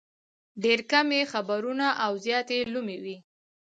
ډېر کم یې خبرونه او زیات یې لومې وي.